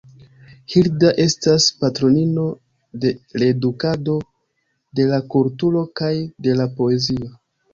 Hilda estas patronino de l’edukado, de la kulturo kaj de la poezio.